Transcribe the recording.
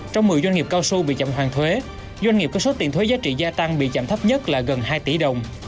trong một mươi doanh nghiệp cao su bị chậm hoàn thuế doanh nghiệp có số tiền thuế giá trị gia tăng bị chậm thấp nhất là gần hai tỷ đồng